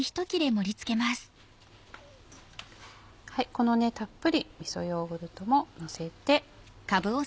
このたっぷりみそヨーグルトものせて。